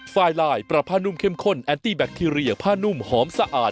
ไฟลายปรับผ้านุ่มเข้มข้นแอนตี้แบคทีเรียผ้านุ่มหอมสะอาด